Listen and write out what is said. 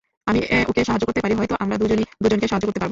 আমি ওকে সাহায্য করতে পারি, হয়তো আমরা দুজনই দুজনকে সাহায্য করতে পারব।